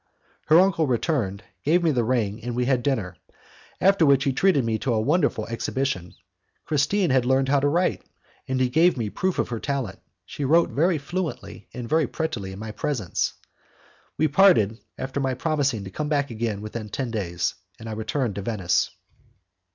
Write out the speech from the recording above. Her uncle returned, gave me the ring, and we had dinner, after which he treated me to a wonderful exhibition. Christine had learned how to write, and, to give me a proof of her talent, she wrote very fluently and very prettily in my presence. We parted, after my promising to come back again within ten days, and I returned to Venice.